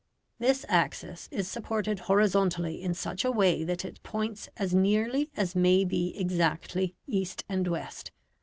This axis is supported horizontally in such a way that it points as nearly as may be exactly east and west.